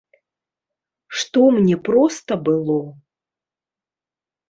Што мне проста было?